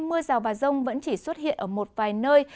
mưa rào và rông vẫn chỉ xuất hiện ở một vài nơi